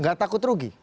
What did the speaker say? nggak takut rugi